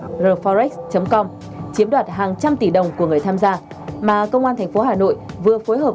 theforex com chiếm đoạt hàng trăm tỷ đồng của người tham gia mà công an tp hà nội vừa phối hợp